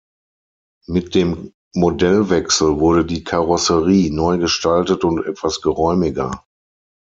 Mit dem Modellwechsel wurde die Karosserie neu gestaltet und etwas geräumiger.